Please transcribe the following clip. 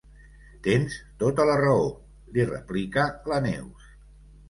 Tens tota la raó —li replica la Neus—.